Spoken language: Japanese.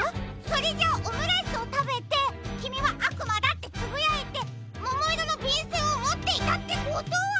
それじゃあオムライスをたべて「きみはあくまだ！」ってつぶやいてももいろのびんせんをもっていたってことは。